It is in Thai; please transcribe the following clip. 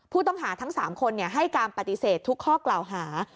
ผู้ต้องหาทั้ง๓คนให้การปฏิเสธทุกข้อกล่าวหา